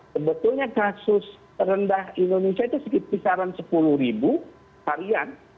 sebetulnya kasus rendah indonesia itu sekitar sepuluh ribu harian